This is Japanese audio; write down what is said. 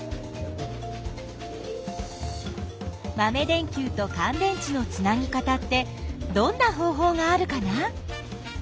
まめ電きゅうとかん電池のつなぎ方ってどんな方ほうがあるかな？